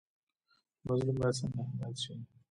مظلوم باید څنګه حمایت شي؟